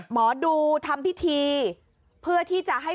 หมอดูทำพิธีเพื่อที่จะให้